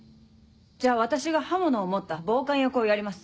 じゃあ私が刃物を持った暴漢役をやります。